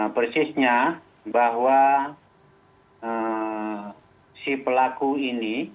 persisnya bahwa si pelaku ini